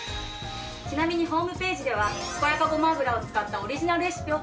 ちなみにホームページでは健やかごま油を使ったオリジナルレシピを公開中。